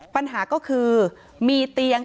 ปัญหาก็คือมีเตียง